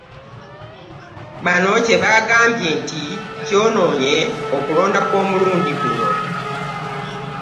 Bano kye bagambye nti ky'onoonye okulonda kw'omulundi guno.